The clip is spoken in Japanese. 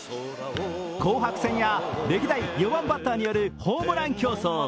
紅白戦や歴代４番バッターによるホームラン競争。